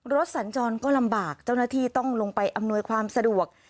สัญจรก็ลำบากเจ้าหน้าที่ต้องลงไปอำนวยความสะดวก